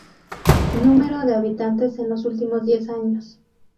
Número de habitantes en los últimos diez años.